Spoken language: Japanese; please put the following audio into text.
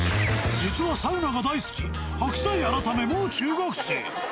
実はサウナが大好き、白菜改めもう中学生。